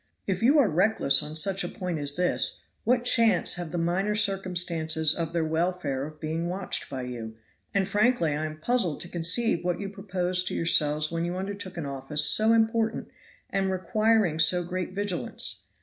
If you are reckless on such a point as this, what chance have the minor circumstances of their welfare of being watched by you? and frankly I am puzzled to conceive what you proposed to yourselves when you undertook an office so important and requiring so great vigilance.